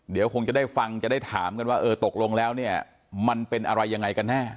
เดี๋ยวคงจะได้ฟังจะได้ถามกันว่าเออตกลงแล้วเนี่ยมันเป็นอะไรยังไงกันแน่